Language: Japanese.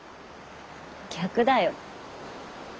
逆だよ。